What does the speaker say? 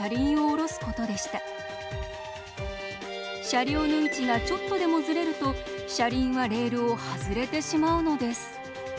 車両の位置がちょっとでもずれると車輪はレールを外れてしまうのです。